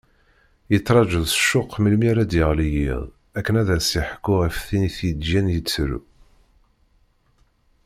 Yettraǧu s ccuq melmi ara d-yeɣli yiḍ akken ad as-yeḥku ɣef tin i t-yeǧǧan yettru.